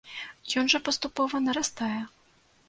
Ён жа паступова нарастае.